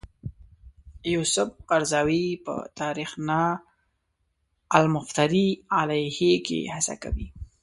یوسف قرضاوي په تاریخنا المفتری علیه کې هڅه کوي.